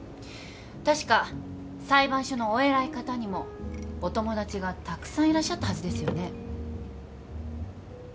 確か裁判所のお偉い方にもお友達がたくさんいらっしゃったはずですよね？